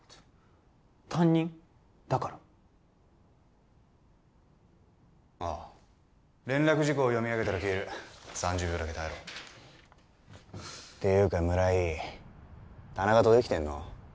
担任だからああ連絡事項を読み上げたら消える３０秒だけ耐えろっていうか村井田中とデキてんの？